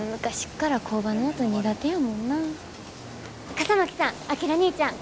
笠巻さん章にいちゃん。